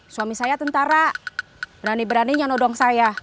suami saya tentara berani berani nyano dong saya